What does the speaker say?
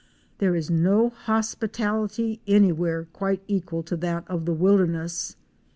There is no hospitality anywhere quite equal to that of the wilderness.